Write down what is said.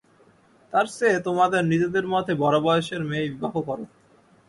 তার চেয়ে তোমাদের নিজেদের মতে বড়ো বয়সের মেয়েই বিবাহ করো।